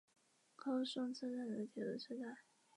高松车站的铁路车站。